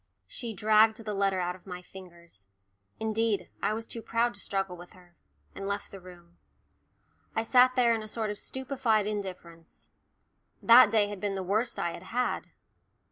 She dragged the letter out of my fingers indeed, I was too proud to struggle with her and left the room. I sat there in a sort of stupefied indifference. That day had been the worst I had had.